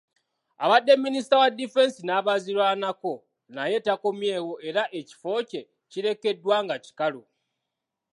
Abadde minisita wa difensi n’abaazirwanako naye takomyewo era ekifo kye kirekeddwa nga kikalu